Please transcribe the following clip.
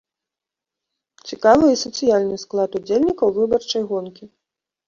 Цікавы і сацыяльны склад удзельнікаў выбарчай гонкі.